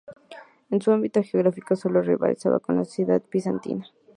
En su ámbito geográfico sólo rivalizaba con la sociedad bizantina.